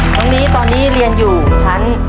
น้องนี้ตอนนี้เรียนอยู่ชั้น